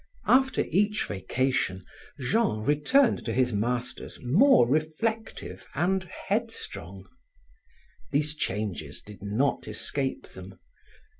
After each vacation, Jean returned to his masters more reflective and headstrong. These changes did not escape them.